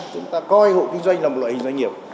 chúng ta coi hộ kinh doanh là một loại hình doanh nghiệp